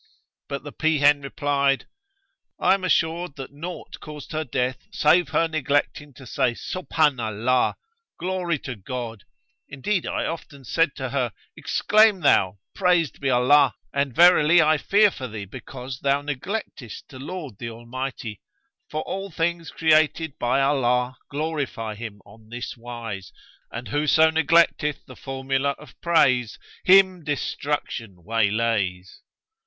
But the peahen replied, I am assured that nought caused her death save her neglecting to say Subhan' Allah, glory to God; indeed I often said to her, 'Exclaim thou, 'Praised be Allah, and verily I fear for thee, because thou neglectest to laud the Almighty; for all things created by Allah glorify Him on this wise, and whoso neglecteth the formula of praise[FN#144] him destruction waylays.'"